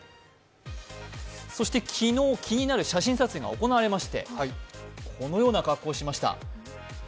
そして昨日、気になる写真撮影が行われまして、このような格好をしました。